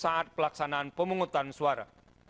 saat pelaksanaan pemungutan suara